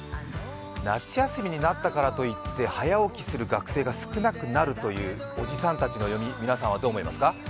夏休みになったからといって早起きする学生が少なくなるというおじさんたちの読み、皆さんはどう思いますか？